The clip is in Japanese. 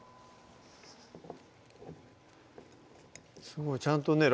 すごいちゃんとね